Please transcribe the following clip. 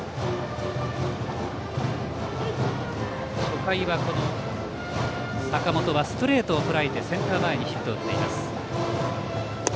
初回は坂本はストレートをとらえてセンター前にヒットを打っています。